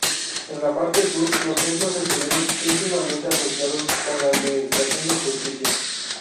En la parte sur, los templos estuvieron íntimamente asociados con la administración de justicia.